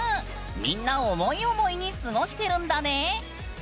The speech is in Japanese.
みんな思い思いに過ごしてるんだね！